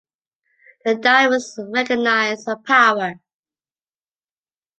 The divers recognize a power.